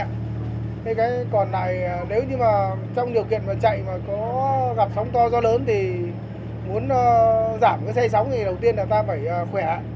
thế còn lại nếu như mà trong điều kiện mà chạy mà có gặp sóng to gió lớn thì muốn giảm cái xe gió thì đầu tiên là ta phải khỏe